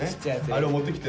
あれを持ってきて。